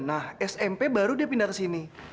nah smp baru dia pindah ke sini